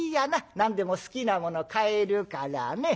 何でも好きなもの買えるからね。